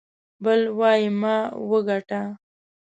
بل وايي ما وګاټه.